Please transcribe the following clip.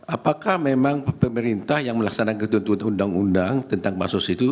apakah memang pemerintah yang melaksanakan ketentuan undang undang tentang basos itu